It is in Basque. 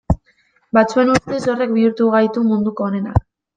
Batzuen ustez horrek bihurtu gaitu munduko onenak.